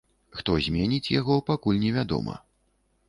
Хто зменіць яго, пакуль невядома.